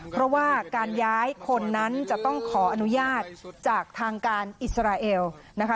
เพราะว่าการย้ายคนนั้นจะต้องขออนุญาตจากทางการอิสราเอลนะคะ